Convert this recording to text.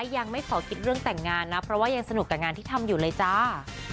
ยังไม่ขอคิดเรื่องแต่งงานนะเพราะว่ายังสนุกกับงานที่ทำอยู่เลยจ้า